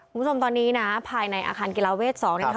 คุณผู้ชมตอนนี้ภายในอาคารกีฬาเวช๒